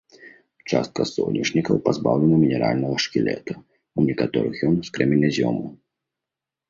Частка сонечнікаў пазбаўлена мінеральнага шкілета, у некаторых ён з крэменязёму.